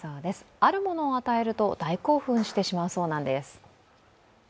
あるものを与えると大興奮してしまうそうなんです。